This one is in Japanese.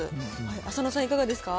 浅野さん、いかがですか？